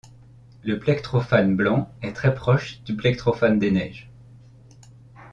Le Plectrophane blanc est très proche du Plectrophane des neiges.